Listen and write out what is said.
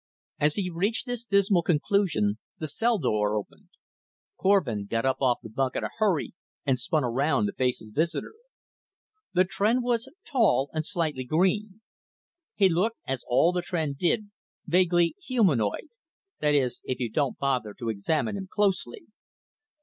As he reached this dismal conclusion, the cell door opened. Korvin got up off the bunk in a hurry and spun around to face his visitor. The Tr'en was tall, and slightly green. He looked, as all the Tr'en did, vaguely humanoid that is, if you don't bother to examine him closely.